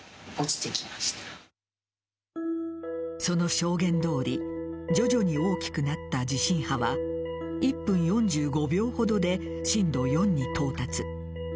その証言どおり徐々に大きくなった地震波は１分４５秒ほどで震度４に到達。